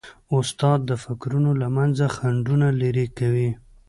استاد د فکرونو له منځه خنډونه لیري کوي.